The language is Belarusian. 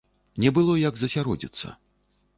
Не было як засяродзіцца.